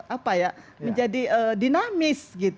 apa ya menjadi dinamis